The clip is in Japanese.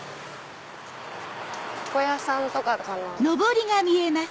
床屋さんとかかな。